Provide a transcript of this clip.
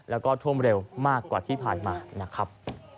แล้วก็ท่วมเร็วมากกว่าที่ผ่านมานะครับ